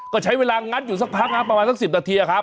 ก็ใช้เวลางัดอยู่สักพักครับประมาณสัก๑๐นาทีครับ